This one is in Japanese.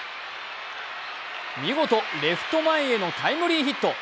見事、レフト前へのタイムリーヒット。